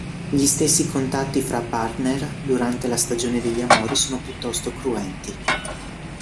Gli stessi contatti fra "partner" durante la stagione degli amori sono piuttosto cruenti.